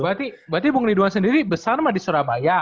berarti berarti bung ridwan sendiri besar mah di surabaya